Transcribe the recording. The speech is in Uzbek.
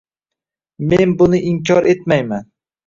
Men buni inkor etmayman